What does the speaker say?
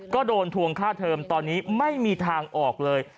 ก็โดนทวงค่าเทอมตอนนี้ไม่มีทางออกเลย